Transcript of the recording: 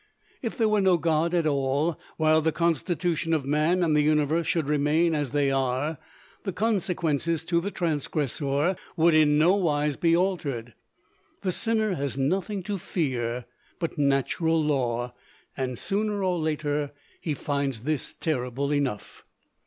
If there were no God at all, while the constitution of man and the universe should remain as they are, the consequences to the transgressor would, in no wise, be altered. The sinner has nothing to fear but natural law, and sooner or later he finds this terrible enough.